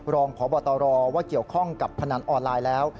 รองพบตรว่าเกี่ยวข้องกับพนันออนไลน์แล้ว